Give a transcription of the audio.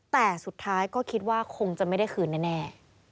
แต่สุดท้ายก็คิดว่าคงจะไม่ได้คืนแน่